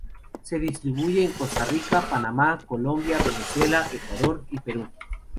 Se distribuye en Costa Rica, Panamá, Colombia, Venezuela, Ecuador y Perú.